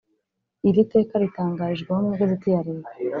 Iri teka ritangarijweho mu igazeti ya leta